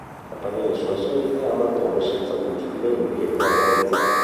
Il campanile sulla sinistra è una torre senza cuspide in pietra grezza.